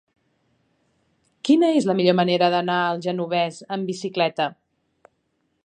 Quina és la millor manera d'anar al Genovés amb bicicleta?